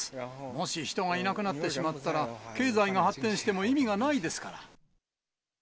もし人がいなくなってしまったら、経済が発展しても意味がないですから。